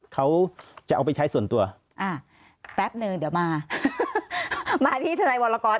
เขาจะเอาไปใช้ส่วนตัวอ่าแป๊บหนึ่งเดี๋ยวมามาที่ทนายวรกร